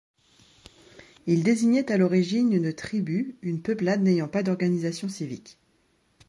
Il désignait à l'origine une tribu, une peuplade n'ayant pas d'organisation civique.